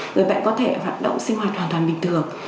người bệnh có thể hoạt động sinh hoạt hoàn toàn bình thường